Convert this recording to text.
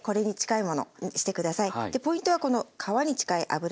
ポイントはこの皮に近い脂ですね。